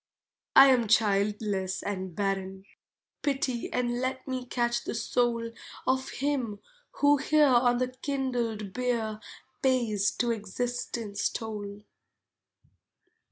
I am childless and barren; pity And let me catch the soul Of him who here on the kindled bier Pays to Existence toll.